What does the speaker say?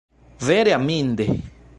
Vere aminde!